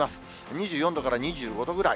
２４度から２５度ぐらい。